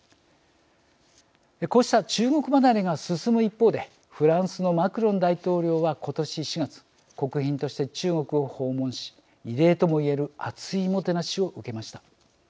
こうした中国離れが進む一方でフランスのマクロン大統領は今年４月国賓として中国を訪問し異例とも言える厚いもてなしを受けました。